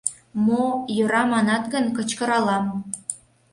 — Мо, йӧра манат гын, кычкыралам.